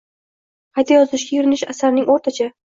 qayta yozishga erinish asarning o’rtacha